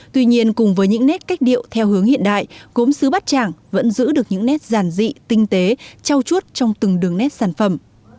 tuy nhiên cùng với những nét cách điệu theo hướng hiện đại gốm xứ bát tràng vẫn giữ được những nét giản dị tinh tế trao chuốt trong từng đường nét sản phẩm